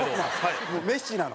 もうメッシなの？